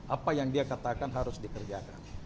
apa yang dia katakan harus dikerjakan